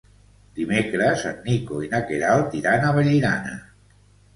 Dimecres en Nico i na Queralt iran a Vallirana.